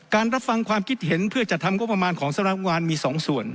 รับฟังความคิดเห็นเพื่อจัดทำงบประมาณของสำนักงานมี๒ส่วน